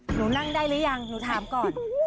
หนูนั่งได้หรือยังหนูถามก่อน